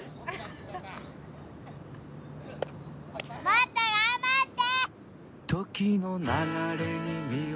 もっと頑張って！